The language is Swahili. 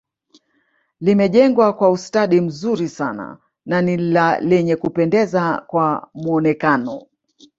Limejengwa kwa ustadi mzuri sana na ni lenye Kupendeza kwa mwonekano